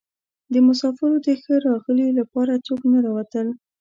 د مسافرو د ښه راغلي لپاره څوک نه راوتل.